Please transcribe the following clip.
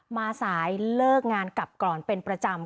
มาสายเลิกงานกลับก่อนเป็นประจำ